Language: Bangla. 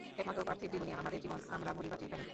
একমাত্র পার্থিব জীবনই আমাদের জীবন, আমরা মরি-বাঁচি এখানেই।